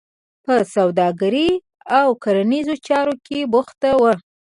په سوداګرۍ او کرنیزو چارو کې بوخته وه.